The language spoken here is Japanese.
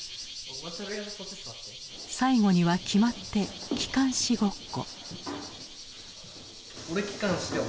最後には決まって機関士ごっこ。